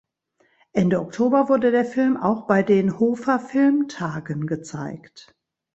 Ende Oktober wurde der Film auch bei den Hofer Filmtagen gezeigt.